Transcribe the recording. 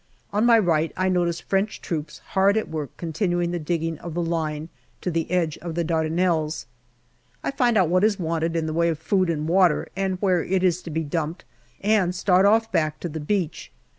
On my right I notice French troops hard at work continuing the digging of the line to the edge of the Dardanelles. I find out what is wanted in the way of food and water and where it is to be dumped, and start off back to the beach.